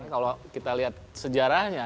kalau kita lihat sejarah ini